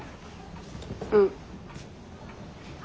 うん。